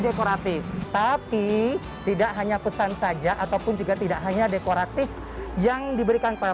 dekoratif tapi tidak hanya pesan saja ataupun juga tidak hanya dekoratif yang diberikan pada